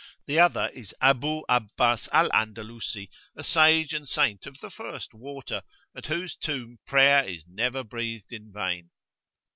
The other is Abu Abbas al Andalusi, a sage and saint of the first water, at whose tomb prayer is never breathed in vain.